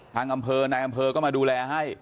ทางอำเภอนายอำเภอก็มาดูแลให้